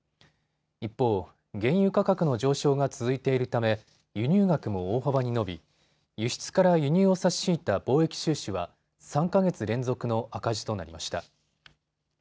一方、原油価格の上昇が続いているため輸入額も大幅に伸び輸出から輸入を差し引いた貿易収支は３か月連続の赤字となりました。